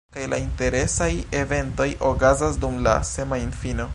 Kaj la interesaj eventoj okazas dum la semajnfino